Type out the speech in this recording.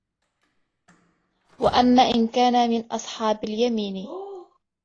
وَأَمَّا إِن كَانَ مِنَ أَصْحَابِ الْيَمِينِ